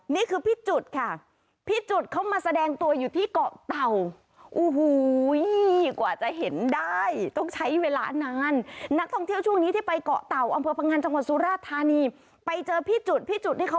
นี่คือพี่จุดค่ะพี่จุดเขามาแสดงตัวอยู่ที่เกาะเตา